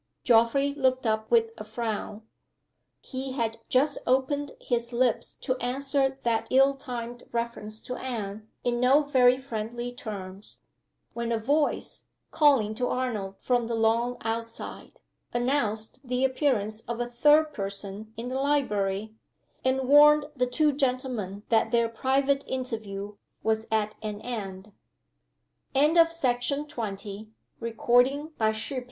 Geoffrey looked up with a frown. He had just opened his lips to answer that ill timed reference to Anne, in no very friendly terms, when a voice, calling to Arnold from the lawn outside, announced the appearance of a third person in the library, and warned the two gentlemen that their private interview was at an end. CHAPTER THE EIGHTEENTH. NEARER STILL. BLANCHE ste